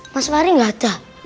mas pari gak ada